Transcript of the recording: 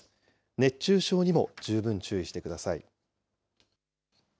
熱中症にも十分注意してください。